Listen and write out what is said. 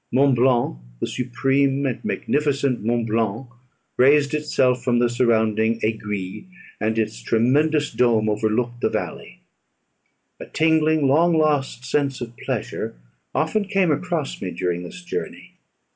Mont Blanc, the supreme and magnificent Mont Blanc, raised itself from the surrounding aiguilles, and its tremendous dôme overlooked the valley. A tingling long lost sense of pleasure often came across me during this journey.